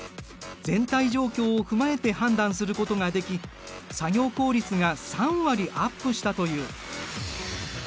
全体状況を踏まえて判断することができ作業効率が３割アップしたという。